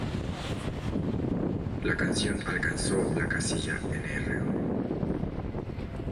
La canción alcanzó la casilla Nro.